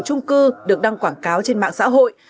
trung cư được đăng quảng cáo trên mạng xã hội